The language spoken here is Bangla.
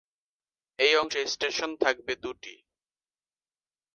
এই অংশে স্টেশন থাকবে দুটি।